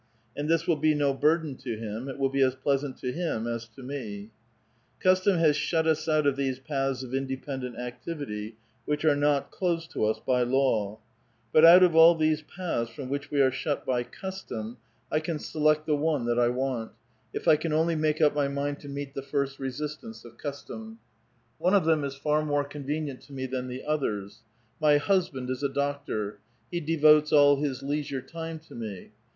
And this will be no burden to him ; it will be as pleasant to him as to me. ^^ Custom has shut us out of these paths of independent ac tivity which are not closed to us by law. But out of all these paths from which we are shut by custom, I can select the one 1 Literally, formally. 866 A VITAL QUESTION. that I want, if I can only make np my mind to meet the Grat resistance of custom. One of them is far more con venient to me than the others. My husband is a doctor. He devotes all. his leisure time to me.